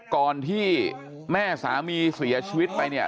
ก่อนที่แม่สามีเสียชีวิตไปเนี่ย